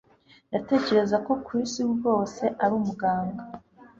Ndatekereza ko Chris rwose ari umuganga